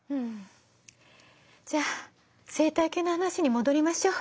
じゃあ生態系の話に戻りましょう。